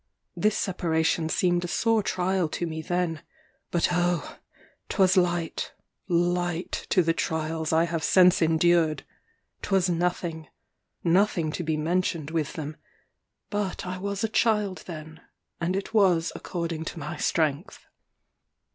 This separation seemed a sore trial to me then; but oh! 'twas light, light to the trials I have since endured! 'twas nothing nothing to be mentioned with them; but I was a child then, and it was according to my strength.